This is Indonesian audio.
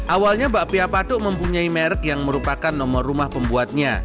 awalnya bakpia patuk mempunyai merek yang merupakan nomor rumah pembuatnya